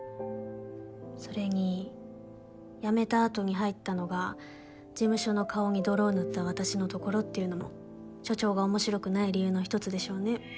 それに辞めた後に入ったのが事務所の顔に泥を塗った私のところっていうのも所長が面白くない理由の１つでしょうね。